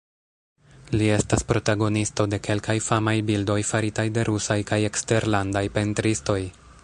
Li estas protagonisto de kelkaj famaj bildoj faritaj de rusaj kaj eksterlandaj pentristoj.